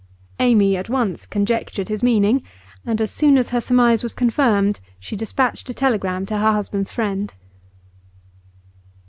Amy at once conjectured his meaning, and as soon as her surmise was confirmed she despatched a telegram to her husband's friend.